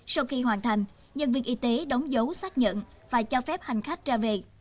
sau khi hoàn thành nhân viên y tế đóng dấu xác nhận và cho phép hành khách ra về